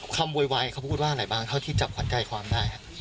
โวยวายเขาพูดว่าไหนบ้างเท่าที่จับขวัญใจความได้